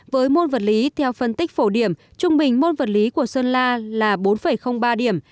với môn vật lý theo phân tích phổ điểm trung bình môn vật lý của sơn la là bốn ba điểm